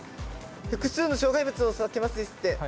複数の障害物を避けますですって。